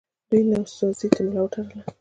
دوی نوسازۍ ته ملا وتړله